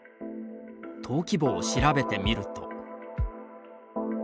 登記簿を調べてみると。